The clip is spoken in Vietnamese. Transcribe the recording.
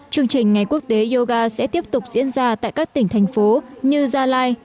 chương trình ngày quốc tế yoga sẽ tiếp tục diễn ra tại các tỉnh thành phố như gia lai